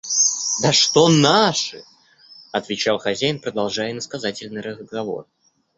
– Да что наши! – отвечал хозяин, продолжая иносказательный разговор.